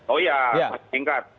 oh ya singkat